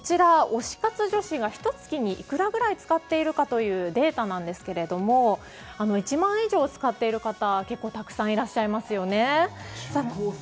推し活女子が、ひと月にいくらぐらい使っているかというデータですが１万円以上使っている方結構たくさんいらっしゃいますね。